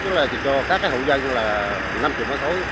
cho các hậu dân là năm mươi mấy khối